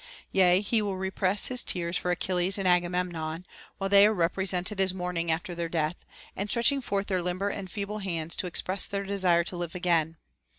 t Yea, he will repress his tears for Achilles and Agamemnon, while they are represented as mourning after their death, and stretching forth their limber and feeble hands to ex press their desire to live again.